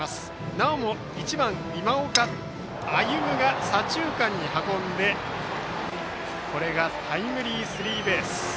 なおも１番、今岡歩夢が左中間に運んでこれがタイムリースリーベース。